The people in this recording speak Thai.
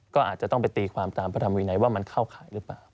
ก็อาจจะต้องไปตีความตามพระธรรมวินัยว่ามันเข้าข่ายหรือเปล่า